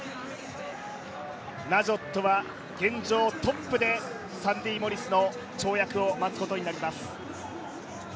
ナジョットは現状トップでサンディ・モリスの跳躍を待つことになります。